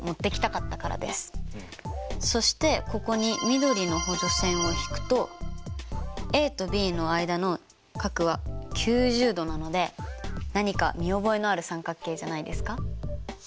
そしてここに緑の補助線を引くとａとｂの間の角は９０度なので何か見覚えのある三角形じゃないですか？